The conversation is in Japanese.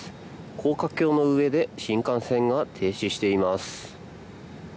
高架橋の上で新幹線が停止しています。